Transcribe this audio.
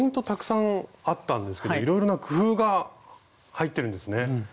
たくさんあったんですけどいろいろな工夫が入ってるんですね。